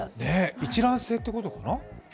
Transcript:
一卵性ってことかな？